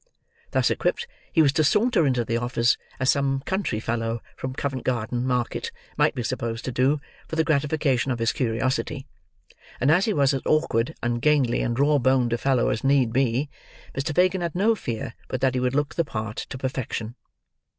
Thus equipped, he was to saunter into the office, as some country fellow from Covent Garden market might be supposed to do for the gratification of his curiousity; and as he was as awkward, ungainly, and raw boned a fellow as need be, Mr. Fagin had no fear but that he would look the part to perfection.